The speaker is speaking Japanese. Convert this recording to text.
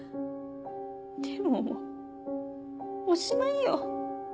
でももうおしまいよ。